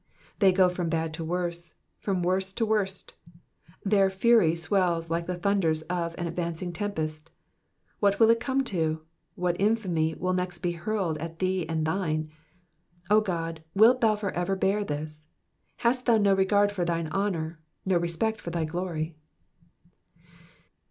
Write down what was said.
They go from bad to worse, from worse to worst ; their fury swells like the thunders of an advancing tempest. What will come it to? What infamy will next be hurled at thee and thine ? O God, wilt thou for ever bear this ! Hast thou no regard for thine honour, no respect for thy glory